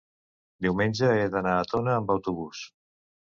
diumenge he d'anar a Tona amb autobús.